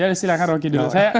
ya silahkan roki dulu